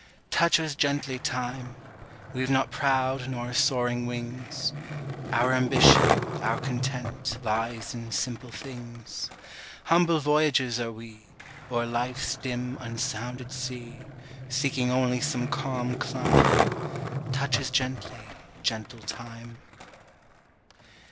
Touch us gently, Time! We've not proud nor soaring wings; Our ambition, our content, Lies in simple things. Humble voyagers are we, O'er life's dim unsounded sea, Seeking only some calm clime; Touch us gently, gentle Time!